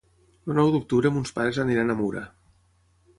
El nou d'octubre mons pares aniran a Mura.